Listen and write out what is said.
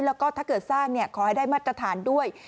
แล้วก็ถ้าเกิดสร้างขอให้ได้มาตรฐานด้วย